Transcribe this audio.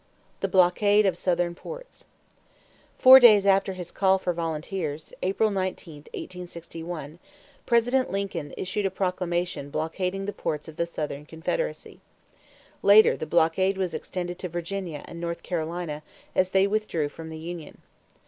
=The Blockade of Southern Ports.= Four days after his call for volunteers, April 19, 1861, President Lincoln issued a proclamation blockading the ports of the Southern Confederacy. Later the blockade was extended to Virginia and North Carolina, as they withdrew from the union.